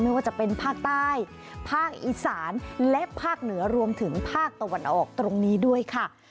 ไม่ว่าจะเป็นภาคใต้ภาคอีสานและภาคเหนือรวมถึงภาคตะวันออกตรงนี้ด้วยค่ะ